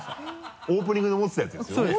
オープニングで持ってたやつですよね？